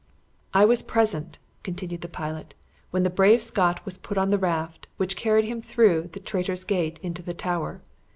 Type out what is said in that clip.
"I was present," continued the pilot, "when the brave Scot was put on the raft, which carried him through the Traitor's Gate into the Tower.